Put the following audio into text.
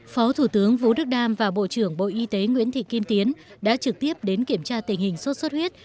phó thủ tướng vũ đức đam và bộ trưởng bộ y tế nguyễn thị kim tiến đã trực tiếp đến kiểm tra tình hình sốt xuất huyết